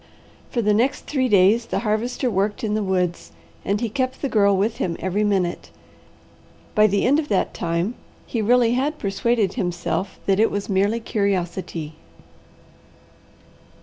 For the next three days the Harvester worked in the woods and he kept the Girl with him every minute. By the end of that time he really had persuaded himself that it was merely curiosity.